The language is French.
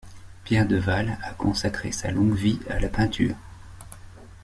Pierre Deval a consacré sa longue vie à la peinture.